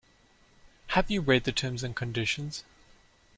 Have you read the terms and conditions?